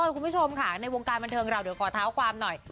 คุณผู้ชมค่ะในวงการบันเทิงเราเดี๋ยวขอเท้าความหน่อย